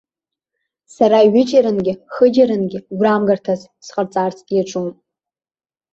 Сара ҩыџьарангьы, хыџьарангьы гәрамгарҭас сҟарҵарц иаҿуп.